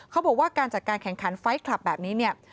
เขาบอกว่าการจัดการแข่งขันไฟล์คลับแบบนี้เนี่ย